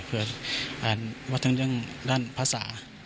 เพราะว่าทั้งด้านภาษา